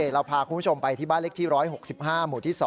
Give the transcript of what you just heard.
เราพาคุณผู้ชมไปที่บ้านเล็กที่๑๖๕หมู่ที่๒